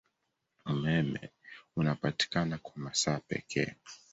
Umeme unapatikana kwa masaa pekee.